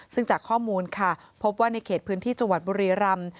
ซึ่งจากข้อมูลค่ะพบว่าในเขตพื้นที่จังหวัดบุรีรำ